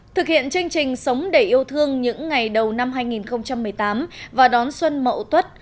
thực hiện chương trình sống để yêu thương những ngày đầu năm hai nghìn một mươi tám và đón xuân mậu tuất